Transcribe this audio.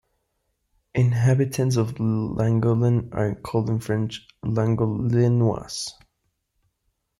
Inhabitants of Langolen are called in French "Langolinois".